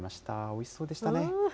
おいしそうでしたね。